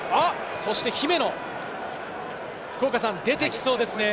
そして姫野、出てきそうですね。